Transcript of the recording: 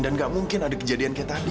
dan gak mungkin ada kejadian kayak tadi